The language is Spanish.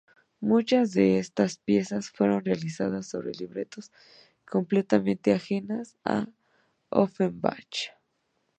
Muchas de estas piezas fueron realizadas sobre libretos completamente ajenas a Offenbach.